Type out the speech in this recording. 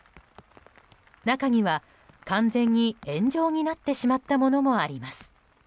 中には、完全に円状になってしまったものもあります。